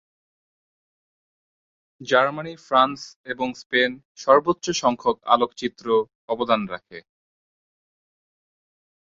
Germany, France এবং Spain সর্বোচ্চ সংখ্যক আলোকচিত্র অবদান রাখে।